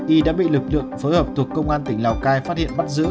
y đã bị lực lượng phối hợp thuộc công an tỉnh lào cai phát hiện bắt giữ